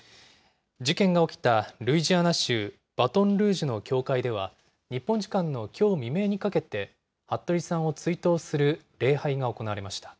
事件が起きたルイジアナ州バトンルージュの教会では、日本時間のきょう未明にかけて、服部さんを追悼する礼拝が行われました。